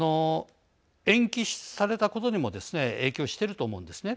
延期されたことにもですね影響してると思うんですね。